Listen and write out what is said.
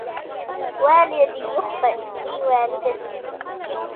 والدي يخطئ لي والدتي